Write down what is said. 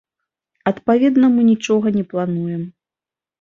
Адпаведна, мы нічога не плануем.